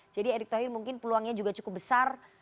jadi erik thohir mungkin peluangnya juga cukup besar